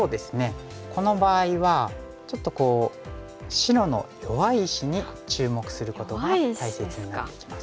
この場合はちょっと白の弱い石に注目することが大切になってきます。